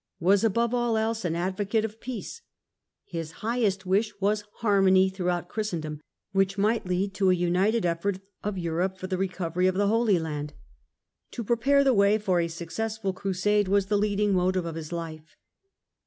was above all else an advocate of Gregory X. 1271 peace : his highest wish was harmony throughout 1276 Christendom, which might lead to a united effort of Europe for the recovery of the Holy Land. To prepare the way for a successful crusade was the leading motive of his life.